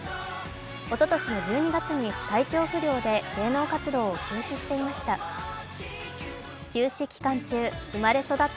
おととしの１２月に体調不良で芸能活動を休止していました。